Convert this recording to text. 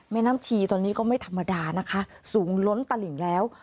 แม่น้ำชีตอนนี้ก็ไม่ธรรมดานะคะสูงล้นตลิ่งแล้ว